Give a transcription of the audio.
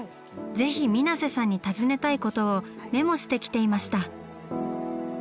ぜひ水瀬さんに尋ねたいことをメモしてきていました！